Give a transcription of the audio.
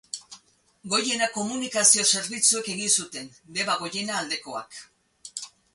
Goiena komunikazio zerbitzuek egin zuten, Deba Goiena aldekoak.